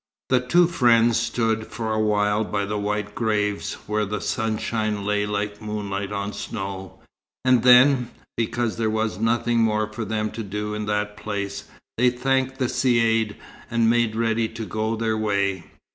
The two friends stood for a while by the white graves, where the sunshine lay like moonlight on snow; and then, because there was nothing more for them to do in that place, they thanked the Caïd, and made ready to go their way.